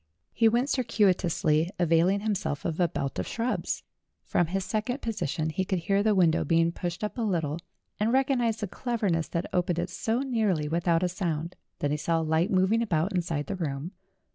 He went circuitously, availing himself of a belt of shrubs. From his second position he could hear the window being pushed up a little, and recog nized the cleverness that opened it so nearly without a sound. Then he saw a light moving about inside the room.